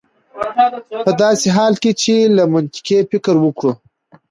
په داسې حال کې چې که منطقي فکر وکړو